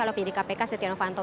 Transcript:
oleh penyidik kpk setia novanto